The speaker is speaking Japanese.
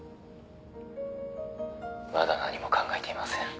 「まだ何も考えていません」